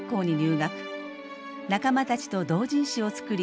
仲間たちと同人誌を作り